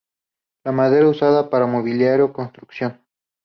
La madera usada para mobiliario, construcción.